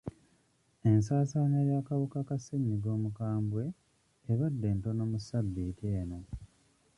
Ensaasaanya y'akawuka ka ssenyigga omukambwe ebadde ntono mu ssabbiiti eno.